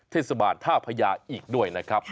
เทศบาลท่าพญาอีกด้วยนะครับ